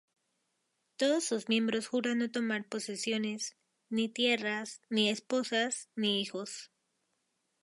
Todos sus miembros juran no tomar posesiones, ni tierras, ni esposas ni hijos.